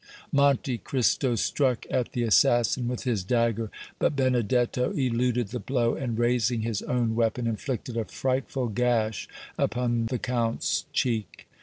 Monte Cristo struck at the assassin with his dagger, but Benedetto eluded the blow, and raising his own weapon inflicted a frightful gash upon the Count's cheek.